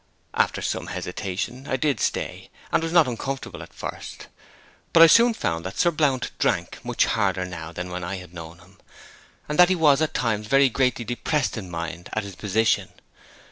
After some hesitation I did stay, and was not uncomfortable at first. But I soon found that Sir Blount drank much harder now than when I had known him, and that he was at times very greatly depressed in mind at his position.